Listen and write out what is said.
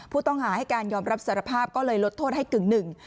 ผู้ต้องหาให้การยอมรับสารภาพก็เลยลดโทษให้กึ่งหนึ่ง